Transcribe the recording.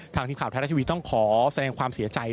ทางทีมข่าวแทรกทวีตต้องขอแสดงความเสียใจ